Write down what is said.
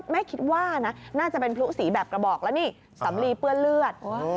แม่คิดว่านะน่าจะเป็นพลุสีแบบกระบอกแล้วนี่สำลีเปื้อนเลือด